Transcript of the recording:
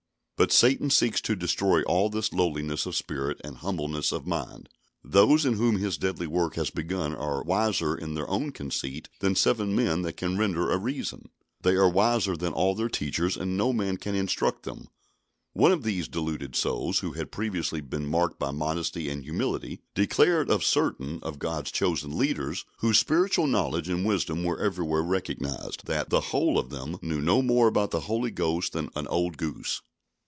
But Satan seeks to destroy all this lowliness of spirit and humbleness of mind. Those in whom his deadly work has begun are "wiser in their own conceit than seven men that can render a reason." They are wiser than all their teachers, and no man can instruct them. One of these deluded souls, who had previously been marked by modesty and humility, declared of certain of God's chosen leaders whose spiritual knowledge and wisdom were everywhere recognised, that "the whole of them knew no more about the Holy Ghost than an old goose."